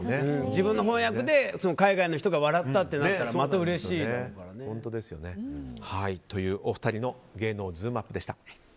自分の翻訳で海外の人が笑ったってなったらというお二人の芸能ズームＵＰ！でした。